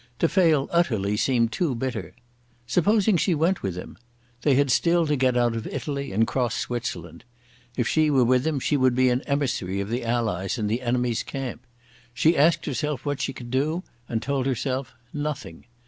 To fail utterly seemed too bitter. Supposing she went with him. They had still to get out of Italy and cross Switzerland. If she were with him she would be an emissary of the Allies in the enemy's camp. She asked herself what could she do, and told herself "Nothing."